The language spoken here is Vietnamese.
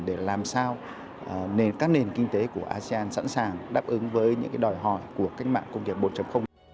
để làm sao các nền kinh tế của asean sẵn sàng đáp ứng với những đòi hỏi của cách mạng công nghiệp bốn